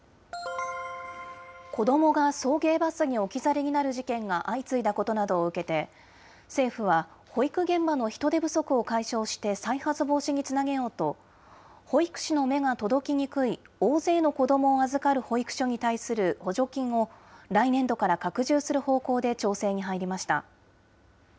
子どもが送迎バスに置き去りになる事件が相次いだことなどを受けて、政府は、保育現場の人手不足を解消して、再発防止につなげようと、保育士の目が届きにくい、大勢の子どもを預かる保育所に対する補助金を、来年度から拡充する方向で調整に入りました。